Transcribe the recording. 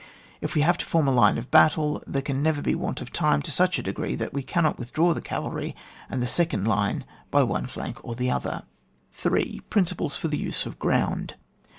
If we have to form line of battle, there can never be want of time to such a degree that we cannot with draw the cav^ry and the second line by one flank or the other. m.— PRINCTPLES FOR THE USE OF GROUND.